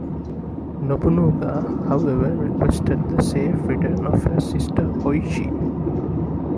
Nobunaga, however, requested the safe return of his sister, Oichi.